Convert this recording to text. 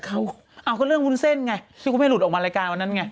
เขาก็เรื่องวุ้นเส้นไงซึ่งก็ไม่หลุดออกมารายการวันนั้นไง